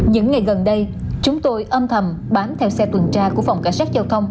những ngày gần đây chúng tôi âm thầm bám theo xe tuần tra của phòng cảnh sát giao thông